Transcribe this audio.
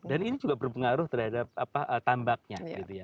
dan ini juga berpengaruh terhadap apa tambaknya